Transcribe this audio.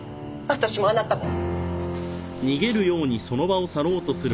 私もあなたも。